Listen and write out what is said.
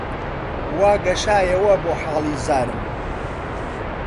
وا گەشایەوە بۆ حاڵی زارم